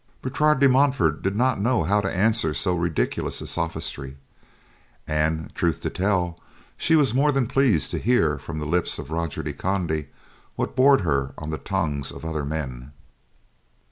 Bertrade de Montfort did not know how to answer so ridiculous a sophistry; and, truth to tell, she was more than pleased to hear from the lips of Roger de Conde what bored her on the tongues of other men.